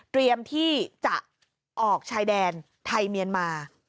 ที่จะออกชายแดนไทยเมียนมา